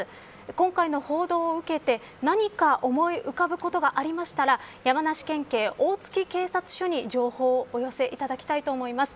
今回の報道を受けて何か思い浮かぶことがありましたら山梨県警大月警察署に情報をお寄せいただきたいと思います。